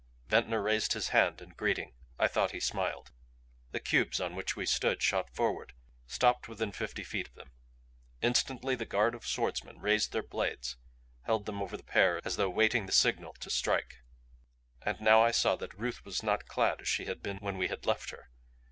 Ventnor raised his hand in greeting; I thought he smiled. The cubes on which we stood shot forward; stopped within fifty feet of them. Instantly the guard of swordsmen raised their blades, held them over the pair as though waiting the signal to strike. And now I saw that Ruth was not clad as she had been when we had left her.